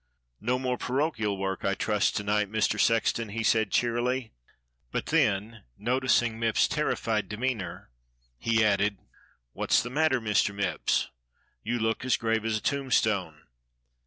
"No more parochial work, I trust to night, Mr. Sex ton.^" he said cheerily, but then noticing Mipps's terri fied demeanour he added: "What's the matter, Mr. Mipps .^ You look as grave as a tombstone."